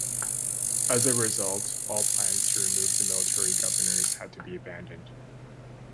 As a result, all plans to remove the military governors had to be abandoned.